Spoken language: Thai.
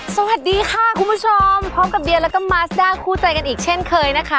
สวัสดีค่ะคุณผู้ชมพร้อมกับเดียแล้วก็มาสด้าคู่ใจกันอีกเช่นเคยนะคะ